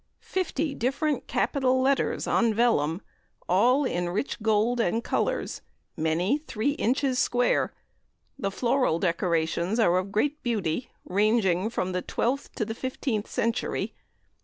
FIFTY DIFFERENT CAPITAL LETTERS on VELLUM; _all in rich Gold and Colours. Many 3 inches square: the floral decorations are of great beauty, ranging from the XIIth to XVth century.